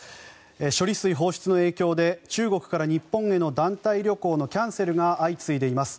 処理水放出の影響で中国から日本への団体旅行のキャンセルが相次いでいます。